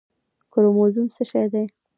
کروموزوم څه شی دی